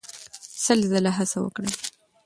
سل ځله هڅه وکړئ.